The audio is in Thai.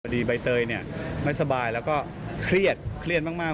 สวัสดีใบเตยไม่สบายแล้วก็เครียดเครียดมาก